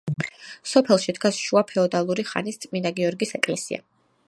სოფელში დგას შუა ფეოდალური ხანის წმინდა გიორგის ეკლესია.